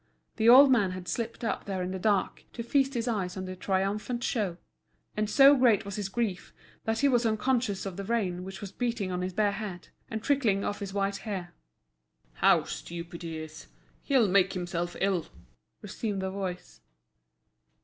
The old man had slipped up there in the dark, to feast his eyes on the triumphant show; and so great was his grief that he was unconscious of the rain which was beating on his bare head, and trickling off his white hair. "How stupid he is, he'll make himself ill," resumed the voice.